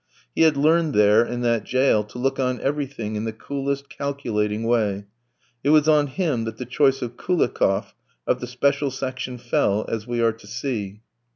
He had learned there, in that jail, to look on everything in the coolest calculating way. It was on him that the choice of Koulikoff of the special section fell, as we are to see.